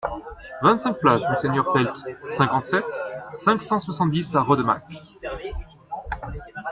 vingt-cinq place Monseigneur Pelt, cinquante-sept, cinq cent soixante-dix à Rodemack